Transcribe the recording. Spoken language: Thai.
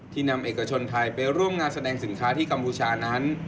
นำเอกชนไทยไปร่วมงานแสดงสินค้าที่กัมพูชานั้น